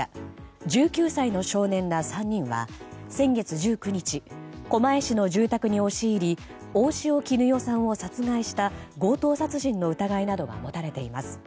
１９歳の少年ら３人は先月１９日狛江市の住宅に押し入り大塩衣與さんを殺害した強盗殺人の疑いなどが持たれています。